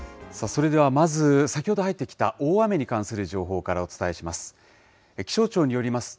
それではまず、先ほど入ってきた大雨に関する情報からお伝えします。